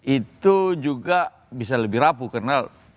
itu juga bisa lebih rapuh karena